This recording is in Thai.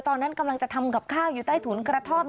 ตอนนั้นกำลังจะทำกับข้าวอยู่ใต้ถุนกระท่อม